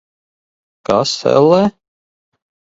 Kas, ellē?